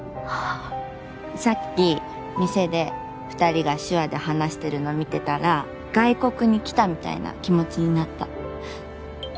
さっき店で２人が手話で話してるのを見てたら外国に来たみたいな気持ちになった。